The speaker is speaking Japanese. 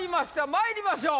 まいりましょう！